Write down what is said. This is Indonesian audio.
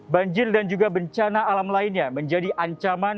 banjir dan juga bencana alam lainnya menjadi ancaman